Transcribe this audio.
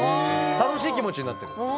楽しい気持ちになってくるんです。